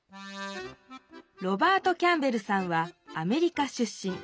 ロバート・キャンベルさんはアメリカ出しん。